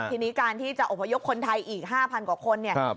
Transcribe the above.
ทีนี้การที่จะองค์ยกคนไทยอีก๕๐๐๐กิโลกรัม